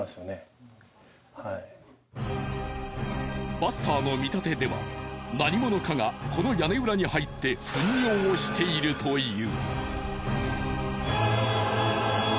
バスターの見立てでは何者かがこの屋根裏に入って糞尿をしているという。